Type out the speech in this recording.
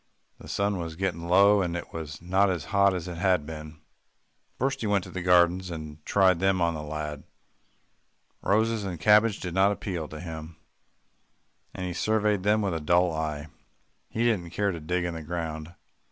The sun was getting low, and it was not as hot as it had been. First he went to the gardens, and tried them on the lad. Roses and cabbages did not appeal to him, and he surveyed them with a dull eye. He didn't care to dig in the ground.